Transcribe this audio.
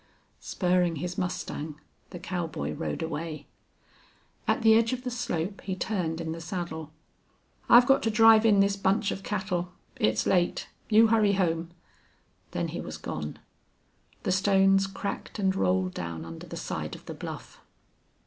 Spurring his mustang, the cowboy rode away. At the edge of the slope he turned in the saddle. "I've got to drive in this bunch of cattle. It's late. You hurry home." Then he was gone. The stones cracked and rolled down under the side of the bluff.